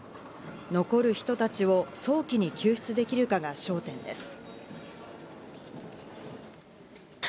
残る人たちを早期に救出できるかが焦点です。